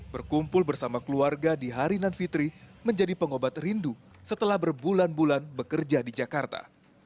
berkumpul bersama keluarga di hari nan fitri menjadi pengobat rindu setelah berbulan bulan bekerja di jakarta